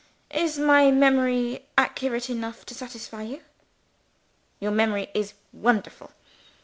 _ Is my memory accurate enough to satisfy you?" "Your memory is wonderful.